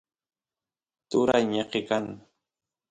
turay ñeqe kan